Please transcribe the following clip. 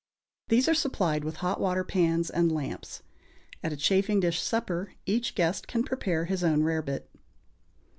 These are supplied with hot water pans and lamps. At a chafing dish supper each guest can prepare his own rarebit.